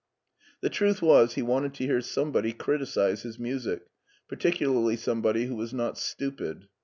The truth was he wanted to hear somebody criticize his music, particularly somebody who was not stupid.